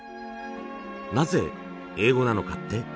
なぜ英語なのかって？